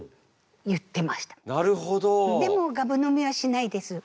でもガブ飲みはしないです